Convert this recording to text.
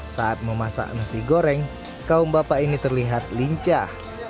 saat memasak nasi goreng kaum bapak ini terlihat lincah